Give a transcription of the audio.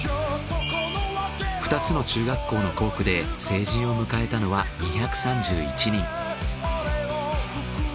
２つの中学校の校区で成人を迎えたのは２３１人。